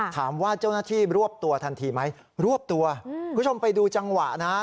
ถามว่าเจ้าหน้าที่รวบตัวทันทีไหมรวบตัวคุณผู้ชมไปดูจังหวะนะ